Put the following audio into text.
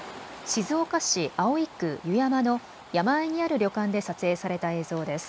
静岡市葵区油山の山あいにある旅館で撮影された映像です。